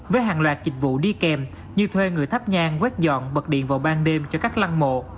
với hàng loạt dịch vụ đi kèm như thuê người thắp nhan quét dọn bật điện vào ban đêm cho các lăng mộ